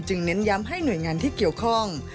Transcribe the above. เน้นย้ำให้หน่วยงานที่เกี่ยวข้อง